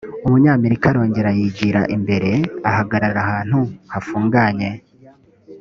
umumarayika arongera yigira imbere ahagarara ahantu hafunganye